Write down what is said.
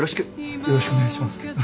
よろしくお願いします。